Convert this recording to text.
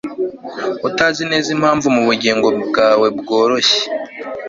Utazi neza impamvu mubugingo bwawe bworoshye